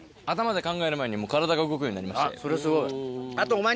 それすごい。